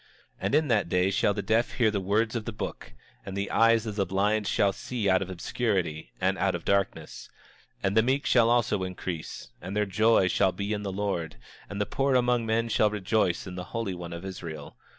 27:29 And in that day shall the deaf hear the words of the book, and the eyes of the blind shall see out of obscurity and out of darkness. 27:30 And the meek also shall increase, and their joy shall be in the Lord, and the poor among men shall rejoice in the Holy One of Israel.